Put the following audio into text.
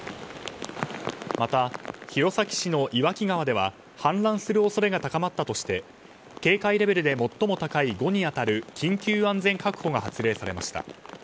また、弘前市の岩木川では氾濫する恐れが高まったとして警戒レベルで最も高い５に当たる緊急安全確保が発令されました。